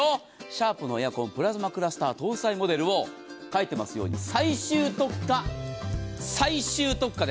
シャープのエアコンプラズマクラスター搭載モデルを書いてますように最終特価。